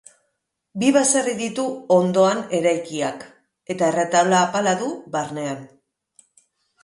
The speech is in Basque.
Bi baserri ditu ondoan eraikiak eta erretaula apala du barnean.